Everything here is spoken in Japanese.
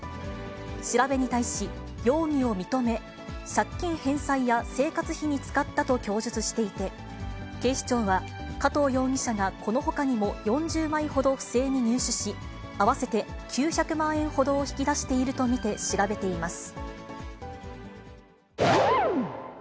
調べに対し、容疑を認め、借金返済や生活費に使ったと供述していて、警視庁は、加藤容疑者が、このほかにも４０枚ほど不正に入手し、合わせて９００万円ほどを引き出していると見て調べています。